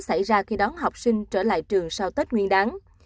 xảy ra khi đón học sinh trở lại trường sau tết nguyên đáng